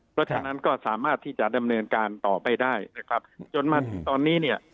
เพราะฉะนั้นก็สามารถที่จะดำเนินการต่อไปได้นะครับจนมาถึงตอนนี้เนี่ย